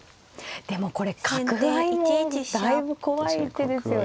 でもこれ角合いもだいぶ怖い手ですよね。